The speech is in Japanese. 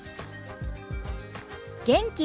元気。